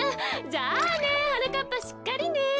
じゃあねはなかっぱしっかりね。